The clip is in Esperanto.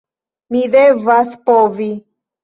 Mi devas povi.